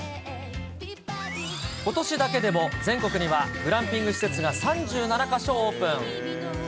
ことしだけでも、全国にはグランピング施設が３７か所オープン。